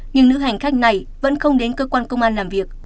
nhưng nữ hành khách này vẫn không đến cơ quan công an làm việc